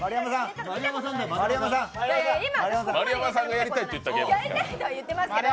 丸山さんがやりたいと言ったゲームですから。